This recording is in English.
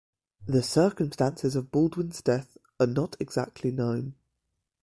The circumstances of Baldwin's death are not exactly known.